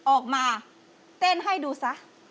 ออกมาเต้นให้ดูซะ